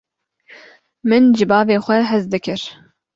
Min ji bavê xwe hez dikir.